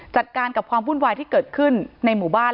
จัดการกับความวุ่นวายที่เกิดขึ้นในหมู่บ้าน